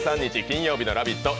金曜日の「ラヴィット！」